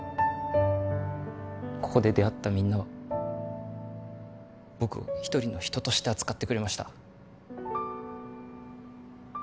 ここで出会ったみんなは僕を一人の人として扱ってくれました